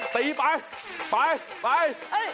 ตีไปไป